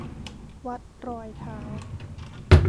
วัดรอยเท้า